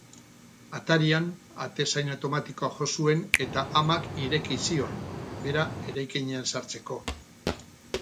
Atarian atezain automatikoa jo zuen eta amak ireki zion, bera eraikinean sartzeko.